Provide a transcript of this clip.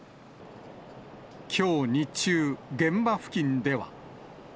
きょう日中、現場付近では。